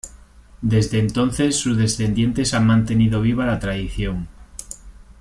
Desde entonces sus descendientes han mantenido viva la tradición.